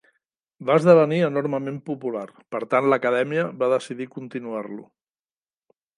Va esdevenir enormement popular, per tant l'Acadèmia va decidir continuar-lo.